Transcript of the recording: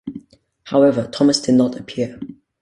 However, Thomas did not appear.